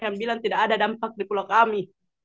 yang bilang tidak ada dampak di pulau kami